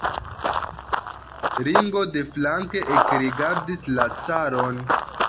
Ringo deflanke ekrigardis la caron.